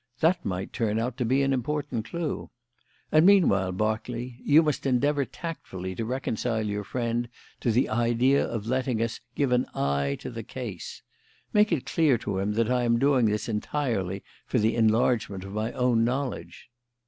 That might turn out to be an important clue. And meanwhile, Berkeley, you must endeavour tactfully to reconcile your friend to the idea of letting us give an eye to the case. Make it clear to him that I am doing this entirely for the enlargement of my own knowledge."